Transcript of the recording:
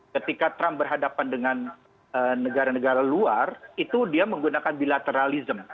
ketika trump berhadapan dengan negara negara luar itu dia menggunakan bilateralism